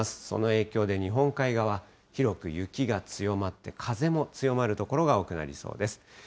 その影響で日本海側、広く雪が強まって、風も強まる所が多くなりそうです。